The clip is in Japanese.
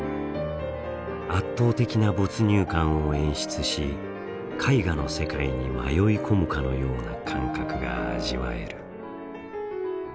圧倒的な没入感を演出し絵画の世界に迷い込むかのような感覚が味わえる。